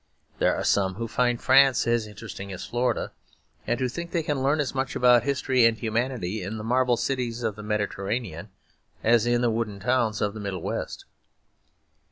There are some who find France as interesting as Florida; and who think they can learn as much about history and humanity in the marble cities of the Mediterranean as in the wooden towns of the Middle West.